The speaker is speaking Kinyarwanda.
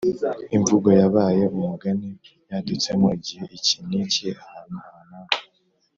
imvugo yabaye umugani yadutsemo igihe iki n’iki, ahantu aha n’aha.